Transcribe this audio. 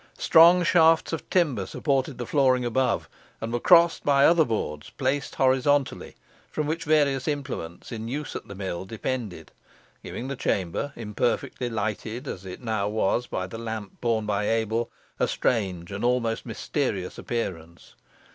Strong shafts of timber supported the flooring above, and were crossed by other boards placed horizontally, from which various implements in use at the mill depended, giving the chamber, imperfectly lighted as it now was by the lamp borne by Abel, a strange and almost mysterious appearance.